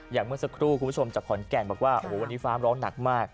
อย่างเมื่อสักครู่คุณผู้ชมจากขอนแกร่นบอกว่าวันนี้ฟาร์มร้อนหนักมาก